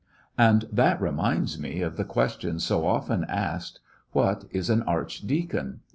And that reminds me of the question so often asked. What is an archdeacon!